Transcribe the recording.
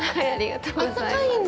あったかいんだ。